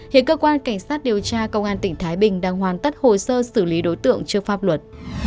hiện cơ quan cảnh sát điều tra công an tỉnh thái bình đang hoàn tất hồ sơ xử lý đối tượng trước pháp luật